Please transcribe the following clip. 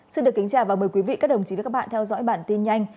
xin được kính chào và mời quý vị các đồng chí và các bạn theo dõi bản tin nhanh